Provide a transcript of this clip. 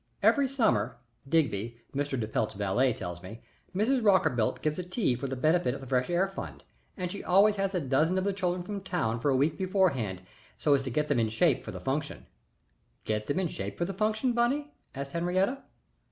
"Every summer, Digby, Mr. de Pelt's valet, tells me, Mrs. Rockerbilt gives a tea for the benefit of the Fresh Air Fund, and she always has a dozen of the children from town for a week beforehand so as to get them in shape for the function." "Get them in shape for the function, Bunny?" asked Henriette.